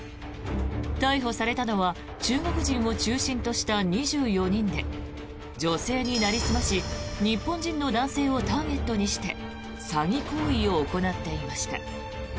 逮捕されたのは中国人を中心とした２４人で女性になりすまし日本人の男性をターゲットにして詐欺行為を行っていました。